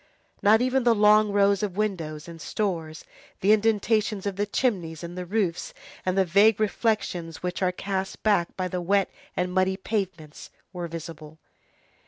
Not even the long rows of windows and stores, the indentations of the chimneys, and the roofs, and the vague reflections which are cast back by the wet and muddy pavements, were visible.